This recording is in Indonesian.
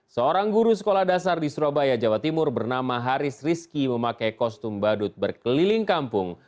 seorang guru sekolah dasar di surabaya jawa timur bernama haris rizki memakai kostum badut berkeliling kampung